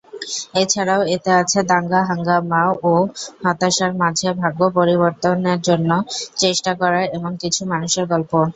এছাড়াও এতে আছে দাঙ্গা-হাঙ্গামা ও হতাশার মাঝে ভাগ্য পরিবর্তনের জন্য চেষ্টা করা এমন কিছু মানুষের গল্প।